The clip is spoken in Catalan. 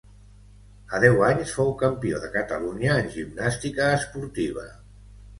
A deu anys fou campió de Catalunya en gimnàstica esportiva.